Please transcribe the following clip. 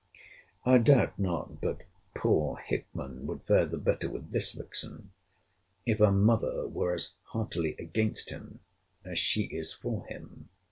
I doubt not but poor Hickman would fare the better with this vixen, if her mother were as heartily against him, as she is for him.